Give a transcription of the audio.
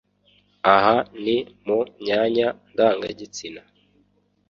Aha ni mu myanya ndangagitsina